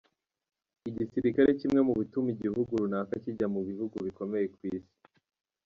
Igisirikare kimwe mu bituma igihugu runaka kijya mu bihugu bikomeye ku Isi.